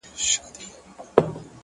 اخلاق د انسان تلپاتې پانګه ده